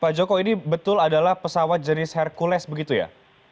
pak joko ini betul adalah pesawat jenis hercules begitu ya